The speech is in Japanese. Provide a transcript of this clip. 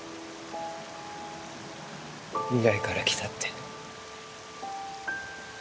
未来から来たって。